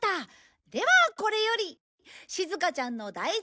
ではこれよりしずかちゃんの大事な。